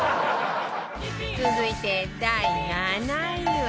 続いて第７位は